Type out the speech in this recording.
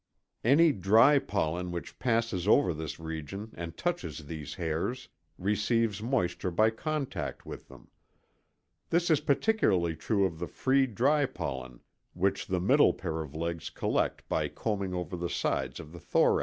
Any dry pollen which passes over this region and touches these hairs receives moisture by contact with them. This is particularly true of the free dry pollen which the middle pair of legs collect by combing over the sides of the thorax.